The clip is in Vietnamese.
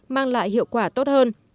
mang lại hiệu quả tốt hơn